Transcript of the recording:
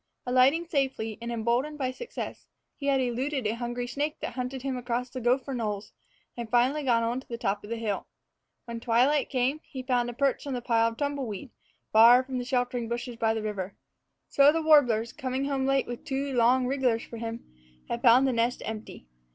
Alighting safely, and emboldened by success, he had eluded a hungry snake that hunted him across the gopher knolls, and finally gone on to the top of the hill. When twilight came he had found a perch in a pile of tumbleweed, far from the sheltering bushes by the river. So the warblers, coming home late with two long wrigglers for him, had found the nest empty.